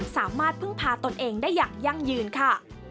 สามารถพึ่งพาตนเองได้อย่างยั่งยืนค่ะ